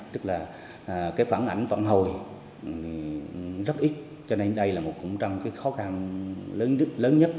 tức là cái phản ảnh vận hồi rất ít cho nên đây là một trong cái khó khăn lớn nhất